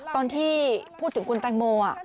ตอนที่พูดถึงคุณแตงโม